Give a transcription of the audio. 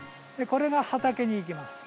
これが畑に行きます。